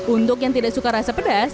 untuk yang tidak suka rasa pedas